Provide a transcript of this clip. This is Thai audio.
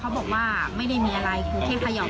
ไปบอกคำให้ดูดูอย่างโดนอะไรบางอย่าง